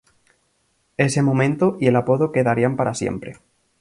Ese momento y el apodo quedarían para siempre.